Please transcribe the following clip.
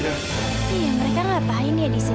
iya mereka ngapain ya disini